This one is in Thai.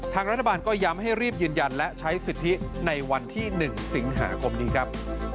ทางรัฐบาลก็ย้ำให้รีบยืนยันและใช้สิทธิในวันที่๑สิงหาคมนี้ครับ